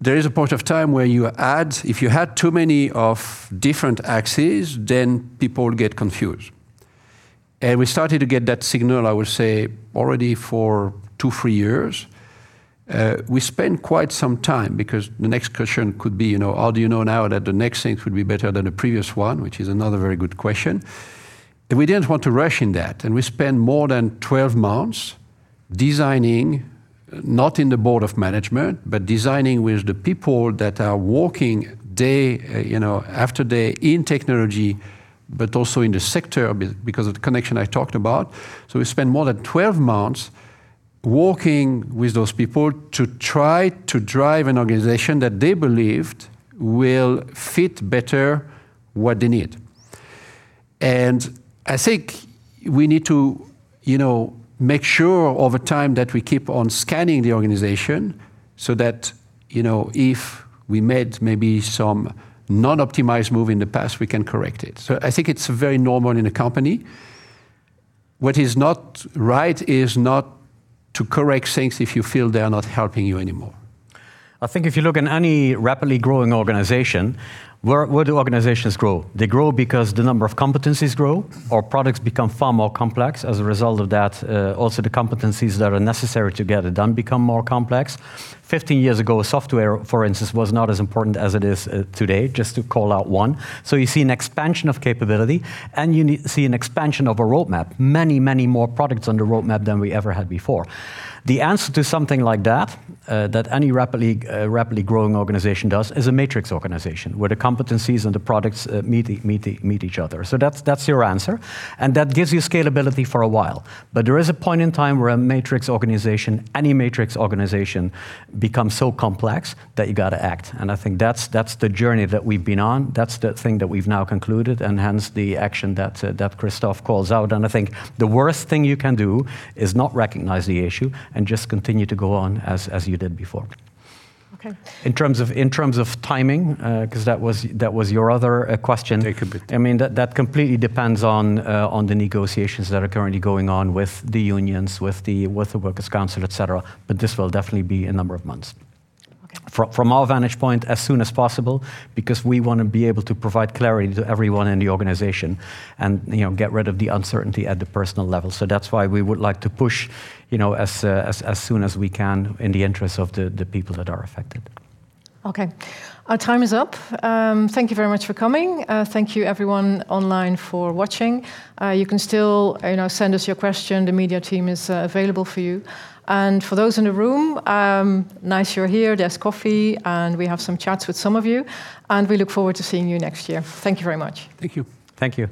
there is a point of time where you add... If you add too many of different axes, then people get confused. And we started to get that signal, I would say, already for two, three years. We spent quite some time, because the next question could be: You know, how do you know now that the next things would be better than the previous one? Which is another very good question. We didn't want to rush in that, and we spent more than 12 months designing, not in the board of management, but designing with the people that are working day, you know, after day in technology, but also in the sector, because of the connection I talked about. So we spent more than 12 months working with those people to try to drive an organization that they believed will fit better what they need. I think we need to, you know, make sure over time that we keep on scanning the organization so that, you know, if we made maybe some non-optimized move in the past, we can correct it. I think it's very normal in a company. What is not right is not to correct things if you feel they are not helping you anymore. I think if you look in any rapidly growing organization, where do organizations grow? They grow because the number of competencies grow or products become far more complex. As a result of that, also, the competencies that are necessary to get it done become more complex. 15 years ago, software, for instance, was not as important as it is, today, just to call out one. So you see an expansion of capability, and you see an expansion of a roadmap, many, many more products on the roadmap than we ever had before. The answer to something like that, that any rapidly, rapidly growing organization does, is a matrix organization, where the competencies and the products, meet each other. So that's, that's your answer, and that gives you scalability for a while. But there is a point in time where a matrix organization, any matrix organization, becomes so complex that you've got to act. And I think that's, that's the journey that we've been on, that's the thing that we've now concluded, and hence the action that that Christophe calls out. And I think the worst thing you can do is not recognize the issue and just continue to go on as you did before. Okay. In terms of, in terms of timing, 'cause that was, that was your other, question- Take a bit. I mean, that completely depends on the negotiations that are currently going on with the unions, with the workers' council, et cetera, but this will definitely be a number of months. Okay. From our vantage point, as soon as possible, because we want to be able to provide clarity to everyone in the organization and, you know, get rid of the uncertainty at the personal level. So that's why we would like to push, you know, as soon as we can in the interest of the people that are affected. Okay, our time is up. Thank you very much for coming. Thank you everyone online for watching. You can still, you know, send us your question. The media team is available for you. For those in the room, nice, you're here, there's coffee, and we have some chats with some of you, and we look forward to seeing you next year. Thank you very much. Thank you. Thank you.